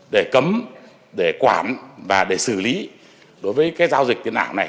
để cấm để quản và để xử lý đối với cái giao dịch tiền ảo này